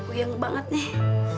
aduh kuyeng banget nih